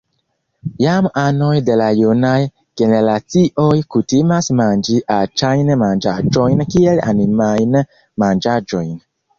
Jam anoj de la junaj generacioj kutimas manĝi aĉajn manĝaĵojn kiel “animajn manĝaĵojn.